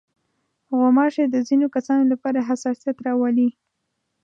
غوماشې د ځينو کسانو لپاره حساسیت راولي.